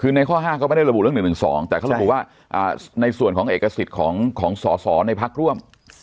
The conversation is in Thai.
ในส่วนของเอกสิทธิ์ของศศในภักดิ์ร่วม